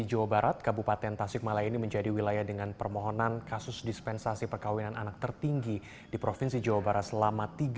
jawa barat kabupaten tasikmalaya ini menjadi wilayah dengan permohonan kasus dispensasi